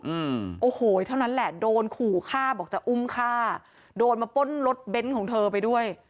อืมโอ้โหเท่านั้นแหละโดนขู่ฆ่าบอกจะอุ้มฆ่าโดนมาป้นรถเบนท์ของเธอไปด้วย